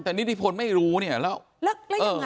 แต่นิติพลไม่รู้เนี่ยแล้วยังไง